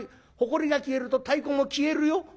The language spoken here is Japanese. ほこりが消えると太鼓も消えるよ」。